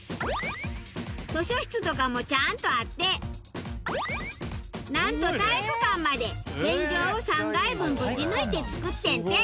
図書室とかもちゃんとあってなんと体育館まで天井を３階分ぶち抜いて造ってんて。